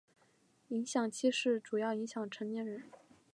食管憩室主要影响成年人。